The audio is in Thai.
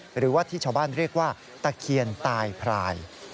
หรือว่าที่ชาวบ้านเรียกว่าตะเคียนตายพราย